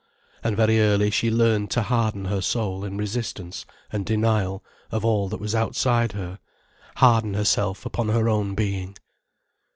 And very early she learned to harden her soul in resistance and denial of all that was outside her, harden herself upon her own being.